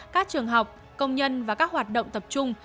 các trường học công nhân và các hoạt động tập trung